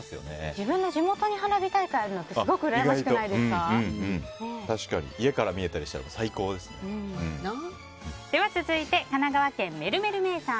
自分の地元に花火大会があるのって家から見えたりしたら続いて、神奈川県の方。